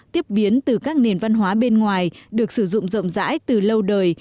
tiếp biến từ các nền văn hóa bên ngoài được sử dụng rộng rãi từ lâu đời